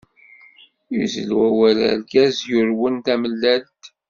yuzzel wawal argaz yurwen tamellalt.